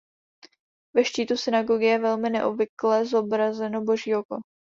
Ve štítu synagogy je velmi neobvykle zobrazeno Boží oko.